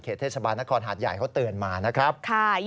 เขาเตือนมานะครับ